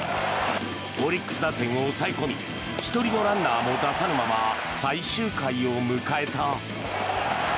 オリックス打線を抑え込み１人のランナーも出さぬまま最終回を迎えた。